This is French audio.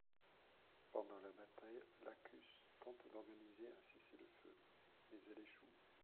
Pendant la bataille, Lacus tente d'organiser un cessez-le-feu, mais elle échoue.